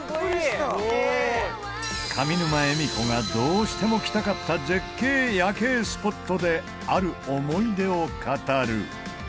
上沼恵美子がどうしても来たかった絶景夜景スポットである思い出を語る。